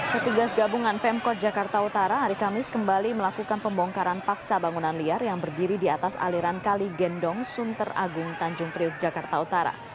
petugas gabungan pemkot jakarta utara hari kamis kembali melakukan pembongkaran paksa bangunan liar yang berdiri di atas aliran kali gendong sunter agung tanjung priuk jakarta utara